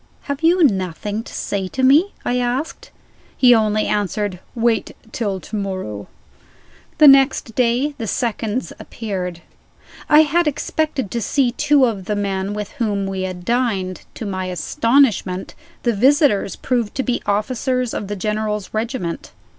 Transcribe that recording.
"Have you nothing to say to me?" I asked. He only answered: "Wait till to morrow." The next day the seconds appeared. I had expected to see two of the men with whom we had dined. To my astonishment, the visitors proved to be officers of the General's regiment.